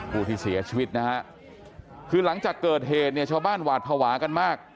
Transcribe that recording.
ผู้ที่เสียชีวิตนะฮะคือหลังจากเกิดเหตุเนี่ยชาวบ้านหวาดภาวะกันมาก